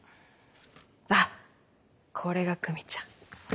あっこれが久美ちゃん。